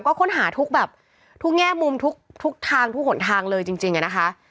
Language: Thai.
ก็ค้นหาทุกแยกมุมทุกทางทุกหลทางเลยจริงน่ะนะคะ